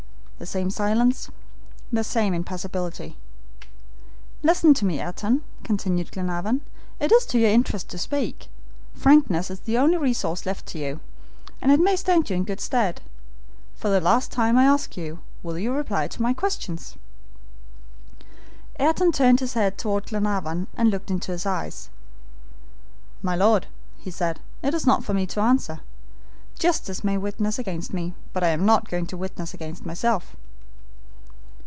The same silence, the same impassibility. "Listen to me, Ayrton," continued Glenarvan; "it is to your interest to speak. Frankness is the only resource left to you, and it may stand you in good stead. For the last time, I ask you, will you reply to my questions?" Ayrton turned his head toward Glenarvan, and looked into his eyes. "My Lord," he said, "it is not for me to answer. Justice may witness against me, but I am not going to witness against myself."